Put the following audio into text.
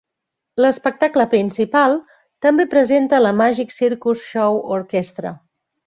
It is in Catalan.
L'espectacle principal també presenta la "Magic Circus Show Orchestra".